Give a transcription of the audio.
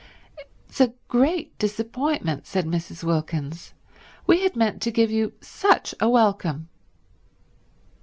"It's a great disappointment," said Mrs. Wilkins. "We had meant to give you such a welcome."